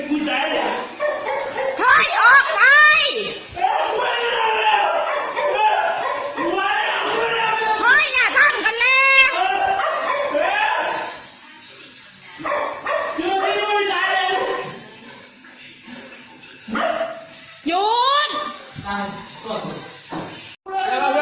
จุดไว้ความเสี่ยงข้างหน้า